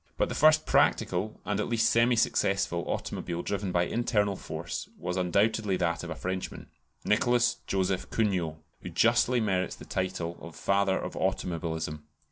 But the first practical, and at least semi successful, automobile driven by internal force was undoubtedly that of a Frenchman, Nicholas Joseph Cugnot, who justly merits the title of father of automobilism.